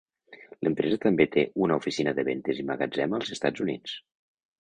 L'empresa també té una oficina de vendes i magatzem als Estats Units.